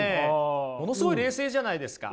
ものすごい冷静じゃないですか。